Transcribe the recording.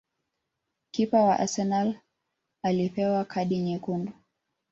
Kipa wa Arsenal alipewa kadi nyekundu